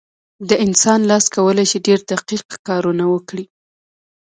د انسان لاس کولی شي ډېر دقیق کارونه وکړي.